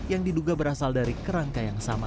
yang diduga berasal dari kerangka yang sama